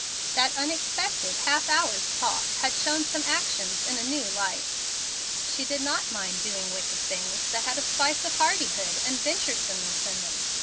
That unexpected half hour's talk had shown some actions in a new light. She did not mind doing wicked things that had a spice of hardihood and venturesomeness in them.